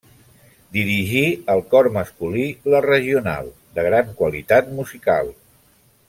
Dirigí el cor masculí La Regional, de gran qualitat musical.